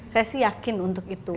saya sih yakin untuk itu